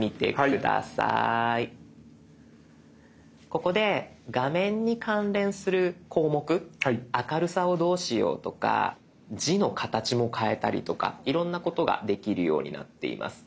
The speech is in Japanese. ここで画面に関連する項目明るさをどうしようとか字の形も変えたりとかいろんなことができるようになっています。